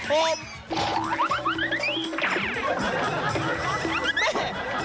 มันก็ต้องโดนการแบบนี้บ้างนะครับคุณผู้ชม